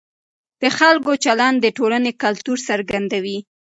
د خلکو چلند د ټولنې کلتور څرګندوي.